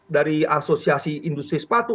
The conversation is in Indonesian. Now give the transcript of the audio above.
dari asosiasi industri sepatu